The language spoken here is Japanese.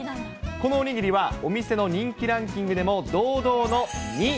このお握りはお店の人気ランキングでも堂々の２位。